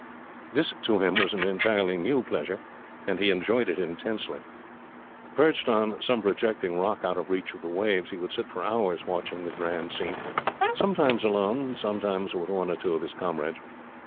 This to him was an entirely new pleasure, and he enjoyed it intensely. Perched on some projecting rock out of reach of the waves, he would sit for hours watching the grand scene, sometimes alone, sometimes with one or two of his comrades.